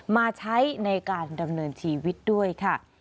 มาใช้ในการดำเนินชีวิตด้วยค่ะ